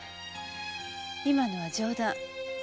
今のは冗談。